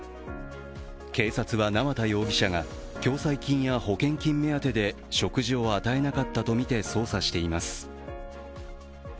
警察は縄田容疑者が共済金や保険金目当てで食事を与えなかったとみて捜査しています。